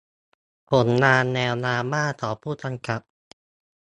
ผลงานแนวดราม่าของผู้กำกับ